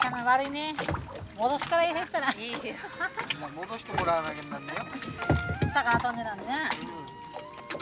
戻してもらわなきゃなんねえよ。